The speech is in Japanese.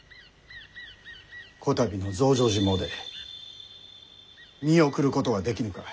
こたびの増上寺詣見送ることはできぬか？